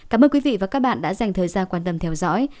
cảm ơn quý vị và các bạn đã dành thời gian quan tâm theo dõi